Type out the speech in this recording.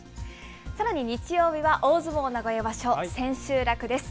さらに日曜日は大相撲名古屋場所千秋楽です。